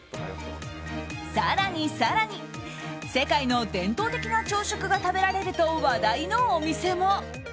更に更に、世界の伝統的な朝食が食べられると話題のお店も。